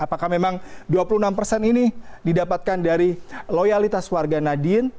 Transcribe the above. apakah memang dua puluh enam persen ini didapatkan dari loyalitas warga nadien